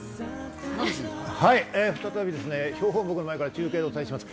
はい、再びですね、標本木の前から中継でお伝えします。